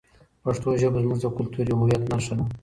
پښتو ژبه زموږ د کلتوري هویت نښه ده.